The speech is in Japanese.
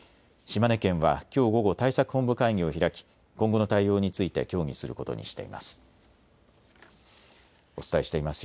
島根県はきょう午後、対策本部会議を開き今後の対応について協議することにしています。